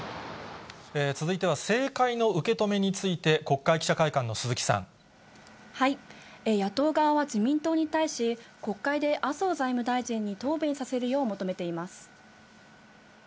続いては、政界の受け止めについて、野党側は自民党に対し、国会で麻生財務大臣に答弁させるよう求めています。